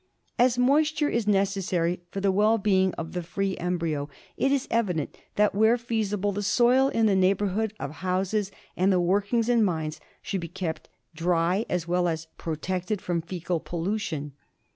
As moisture is necessary for the well being of the free embryo it is evident that, where feasible, the soil in the neighbourhood of houses and the workings in mines should be kept dry as well as protected from faecal pollution.